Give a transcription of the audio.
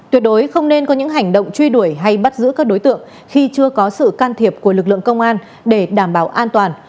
tuyệt đối không nên có những hành động truy đuổi hay bắt giữ các đối tượng khi chưa có sự can thiệp của lực lượng công an để đảm bảo an toàn